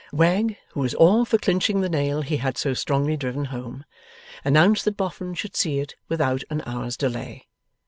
Wegg, who was all for clinching the nail he had so strongly driven home, announced that Boffin should see it without an hour's delay.